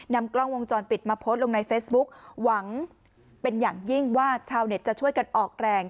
นำกล้องวงจรปิดมาโพสต์ลงในเฟซบุ๊กหวังเป็นอย่างยิ่งว่าชาวเน็ตจะช่วยกันออกแรง